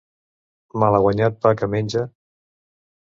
Malaguanyat pa que menja!